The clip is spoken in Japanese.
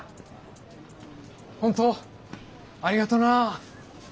本当ありがとうな。